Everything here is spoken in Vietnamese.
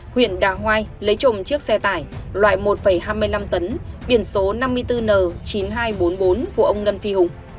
huyện đà hoai lấy chùm chiếc xe tải loại một hai mươi năm tấn biển số năm mươi bốn n chín nghìn hai trăm bốn mươi bốn của ông ngân phi hùng